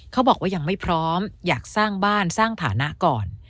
เขาบอกว่ายังไม่พร้อมอยากสร้างบ้านสร้างฐานะก่อน